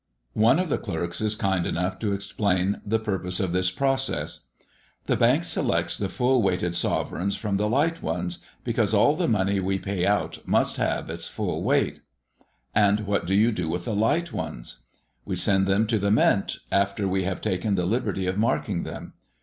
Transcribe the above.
One of the clerks is kind enough to explain the purpose of this process. "The Bank selects the full weighted sovereigns from the light ones, because all the money we pay out must have its full weight." "And what do you do with the light ones?" "We send them to the Mint after we have taken the liberty of marking them.